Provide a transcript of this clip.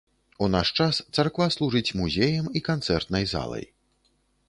У наш час царква служыць музеем і канцэртнай залай.